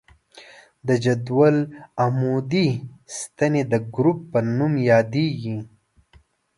د جدول عمودي ستنې د ګروپ په نوم یادیږي.